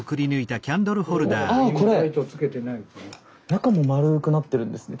中も丸くなってるんですね